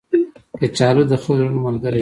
کچالو د خلکو د زړونو ملګری دی